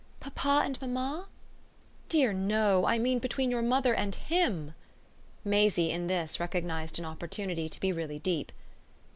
papa and mamma?" "Dear no. I mean between your mother and HIM." Maisie, in this, recognised an opportunity to be really deep.